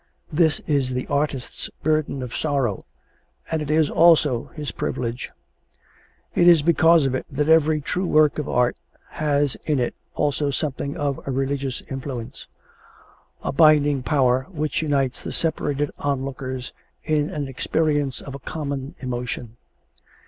This is the artist's burden of sorrow and it is also his privilege. It is because of it that every true work of art has in it also something of a religious influence a binding power which unites the separated onlookers in an experience of a common emotion.